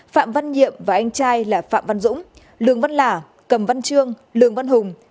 phạm văn nhiệm và anh trai là phạm văn dũng lường văn lả cầm văn trương lường văn hùng